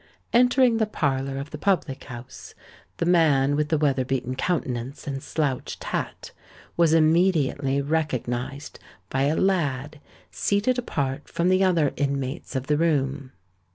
Entering the parlour of the public house, the man with the weather beaten countenance and slouched hat was immediately recognised by a lad seated apart from the other inmates of the room.